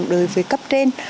đối với cấp trên